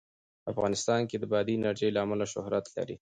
افغانستان د بادي انرژي له امله شهرت لري.